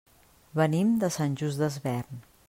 Venim de Sant Just Desvern.